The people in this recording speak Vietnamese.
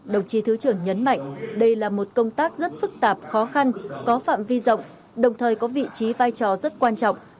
đồng chí thứ trưởng nhấn mạnh đây là một công tác rất phức tạp khó khăn có phạm vi rộng đồng thời có vị trí vai trò rất quan trọng